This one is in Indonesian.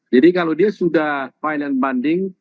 jadi kalau dia sudah final and binding